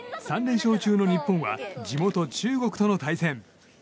３連勝中の日本は地元、中国との対戦。